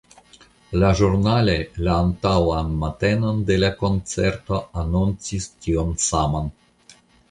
La ĵurnaloj la antaŭan matenon de la koncerto anoncis tion saman.